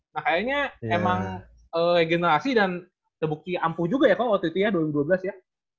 nah kayaknya emang regenerasi dan terbukti ampuh juga ya kok waktu itu ya dua ribu dua belas ya